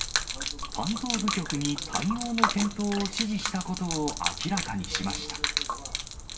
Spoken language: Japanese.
担当部局に対応の検討を指示したことを明らかにしました。